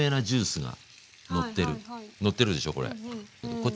こっち